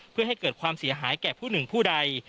เพื่อให้เกิดความเสียหายแก่ผู้หนึ่งผู้ใด